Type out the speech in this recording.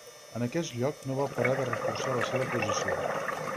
En aquest lloc no va parar de reforçar la seva posició.